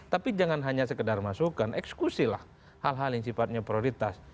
tapi jangan hanya sekedar masukan eksekusilah hal hal yang sifatnya prioritas